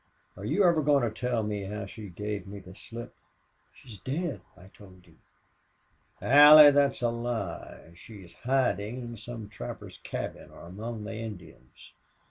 Are you ever going to tell me how she gave me the slip?" "She's dead, I told you." "Allie, that's a lie. She's hiding in some trapper's cabin or among the Indians.